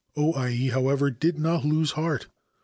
O Ai, however, did not lose heart.